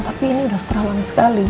tapi ini udah terlalu lama sekali